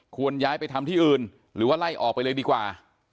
ย้ายไปทำที่อื่นหรือว่าไล่ออกไปเลยดีกว่า